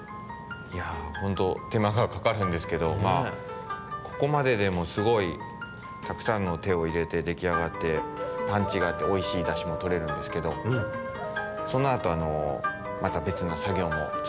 いやほんとてまがかかるんですけどまあここまででもすごいたくさんのてをいれてできあがってパンチがあっておいしいだしもとれるんですけどそのあとあのまたべつなさぎょうもつづいていくんですが。